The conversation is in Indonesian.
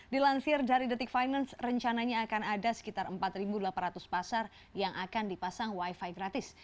dilansir dari detik finance rencananya akan ada sekitar empat delapan ratus pasar yang akan dipasang wifi gratis